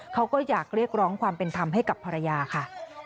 เขาก็อยากเรียกร้องความเป็นธรรมให้กับภรรยาค่ะ